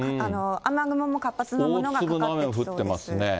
雨雲も活発なものがかかってきそうです。